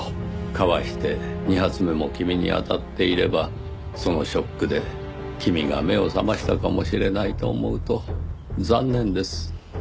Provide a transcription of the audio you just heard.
かわして２発目も君に当たっていればそのショックで君が目を覚ましたかもしれないと思うと残念です。